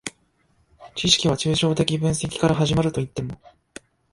知識は抽象的分析から始まるといっても、